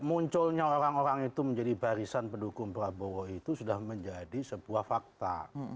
munculnya orang orang itu menjadi barisan pendukung prabowo itu sudah menjadi sebuah fakta